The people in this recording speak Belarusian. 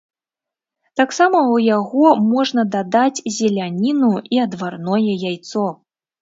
Таксама ў яго можна дадаць зеляніну і адварное яйцо.